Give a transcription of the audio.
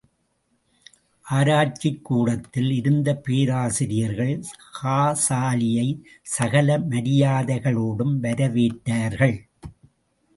ஆராய்ச்சிக் கூடத்தில் இருந்த பேராசிரியர்கள் காசாலியை சகல மரியாதைகளோடும் வரவேற்றார்கள்.